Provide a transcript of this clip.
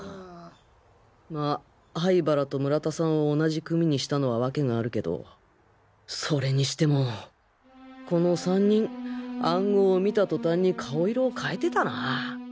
まあ灰原と村田さんを同じ組にしたのはワケがあるけどそれにしてもこの３人暗号を見た途端に顔色を変えてたな